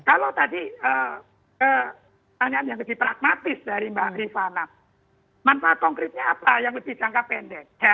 kalau tadi pertanyaan yang lebih pragmatis dari mbak rifana manfaat konkretnya apa yang lebih jangka pendek